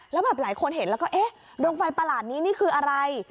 แล้วแบบหลายคนเห็นแล้วก็เอ๊ะดวงไฟประหลาดนี้นี่คืออะไร